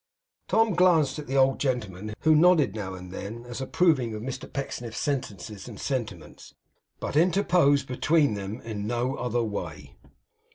Tom glanced at the old gentleman, who nodded now and then as approving of Mr Pecksniff's sentences and sentiments, but interposed between them in no other way.